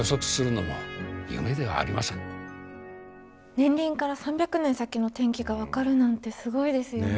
年輪から３００年先の天気が分かるなんてすごいですよね。